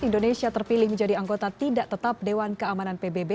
indonesia terpilih menjadi anggota tidak tetap dewan keamanan pbb